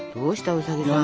ウサギさんが。